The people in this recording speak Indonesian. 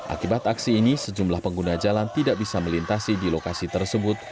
akibat aksi ini sejumlah pengguna jalan tidak bisa melintasi di lokasi tersebut